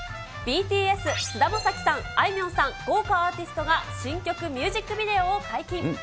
ＢＴＳ、菅田将暉さん、あいみょんさん、豪華アーティストが新曲ミュージックビデオを解禁。